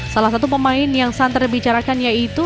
salah satu pemain yang santer dibicarakan yaitu